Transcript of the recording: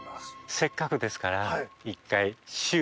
せっかくですから一回。